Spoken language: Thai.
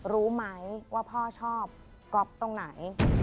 รู้ไหมว่าพ่อชอบก๊อฟตรงไหน